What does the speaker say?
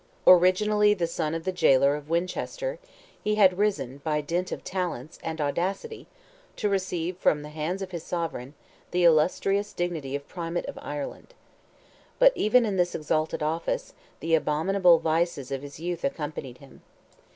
Originally, the son of the jailer of Winchester, he had risen by dint of talents, and audacity, to receive from the hands of his sovereign, the illustrious dignity of Primate of Ireland. But even in this exalted office, the abominable vices of his youth accompanied him.